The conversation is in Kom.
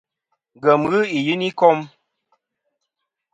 Ngèm ghɨ i yiyn i kom.